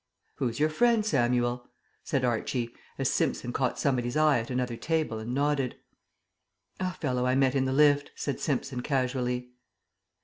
"Who's your friend, Samuel?" said Archie, as Simpson caught somebody's eye at another table and nodded. "A fellow I met in the lift," said Simpson casually.